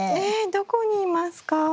どこにいますか？